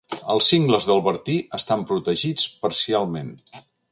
El cingles del Bertí estan protegits parcialment.